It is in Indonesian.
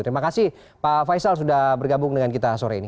terima kasih pak faisal sudah bergabung dengan kita sore ini